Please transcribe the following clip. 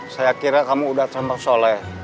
saya kira kamu udah campak soleh